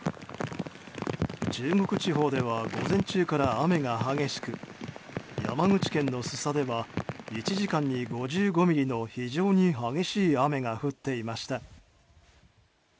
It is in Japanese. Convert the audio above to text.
中国地方では午前中から雨が激しく山口県の須佐では１時間に５５ミリの非常に激しい雨が降っていました。